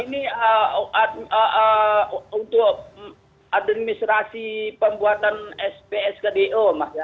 ini untuk administrasi pembuatan spsk do